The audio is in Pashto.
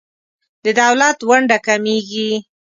د دولت ونډه کمیږي.